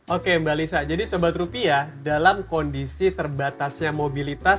oke mbak lisa jadi sebat rupiah dalam kondisi terbatasnya mobilitas